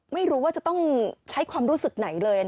ไม่รู้ว่าจะต้องใช้ความรู้สึกไหนเลย